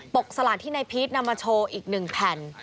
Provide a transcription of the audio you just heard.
กสลากที่นายพีชนำมาโชว์อีก๑แผ่น